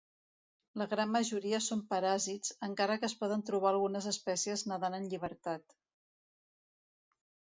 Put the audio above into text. La gran majoria són paràsits, encara que es poden trobar algunes espècies nedant en llibertat.